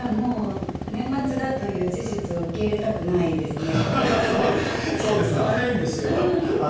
年末だという事実を受け入れたくないですね。